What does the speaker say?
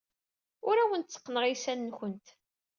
Ur awent-tteqqneɣ iysan-nwent.